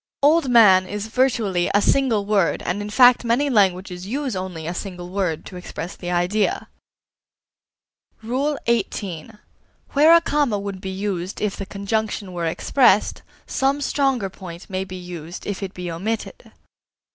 "Old man" is virtually a single word and in fact many languages use only a single word to express the idea. XVIII. Where a comma would be used if the conjunction were expressed, some stronger point may be used if it be omitted.